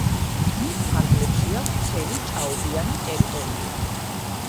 მის ფარგლებშია ვრცელი ჭაობიანი ტერიტორიები.